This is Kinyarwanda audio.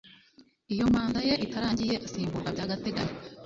Iyo manda ye itarangiye asimburwa by’agateganyo